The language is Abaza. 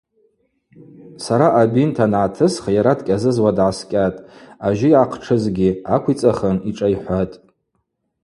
Сара абинт ангӏатысх йара дкӏьазызуа дгӏаскӏьатӏ, ажьы йгӏахътшызгьи аквицӏахын йшӏайхӏватӏ.